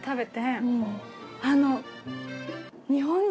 あの。